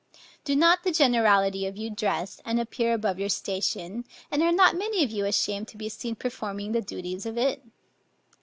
Do not the generality of you dress, and appear above your station, and are not many of you ashamed to be seen performing the duties of it?